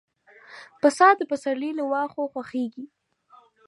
پسه د پسرلي له واښو خوښيږي.